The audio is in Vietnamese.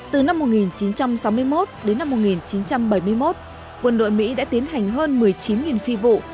từ năm một nghìn chín trăm sáu mươi một đến năm một nghìn chín trăm bảy mươi một quân đội mỹ đã tiến hành hơn một mươi chín phi vụ